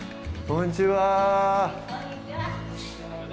こんにちは。